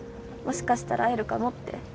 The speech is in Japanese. もしかしたら会えるかもって。